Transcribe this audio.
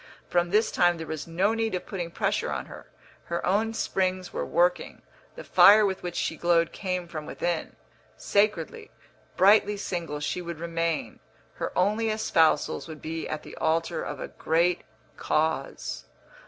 From this time there was no need of putting pressure on her; her own springs were working; the fire with which she glowed came from within. Sacredly, brightly single she would remain; her only espousals would be at the altar of a great cause.